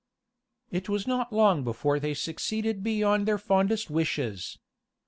It was not long before they succeeded beyond their fondest wishes.